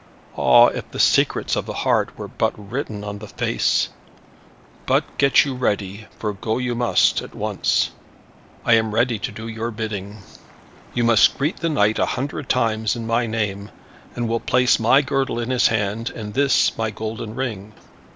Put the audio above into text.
Ah, if the secrets of the heart were but written on the face! But get you ready, for go you must, at once." "Lady," answered the chamberlain, "I am ready to do your bidding." "You must greet the knight a hundred times in my name, and will place my girdle in his hand, and this my golden ring."